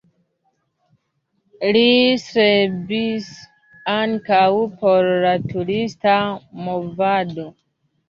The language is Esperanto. Li strebis ankaŭ por la turista movado.